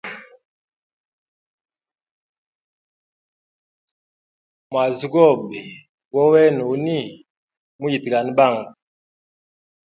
Mwazi gobe gowena uni, muyitgane bangu.